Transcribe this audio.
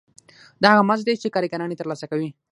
دا هغه مزد دی چې کارګران یې ترلاسه کوي